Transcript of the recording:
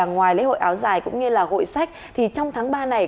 ngoài lễ hội áo dài cũng như là hội sách thì trong tháng ba này